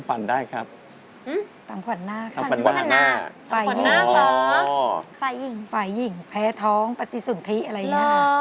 กีตาร์ได้ครับฟันนากเจาะียงแพ้ท้องประติศึกษุนทิอะไรอย่างนี้